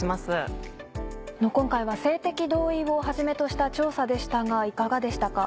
今回は性的同意をはじめとした調査でしたがいかがでしたか？